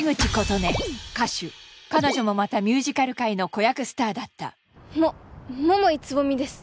彼女もまたミュージカル界の子役スターだったも桃井蕾未です